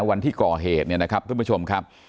ตอนที่ก่อเหตุนะครับทุกผู้ชมครับ